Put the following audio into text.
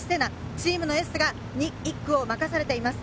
チームのエースが１区を任されています。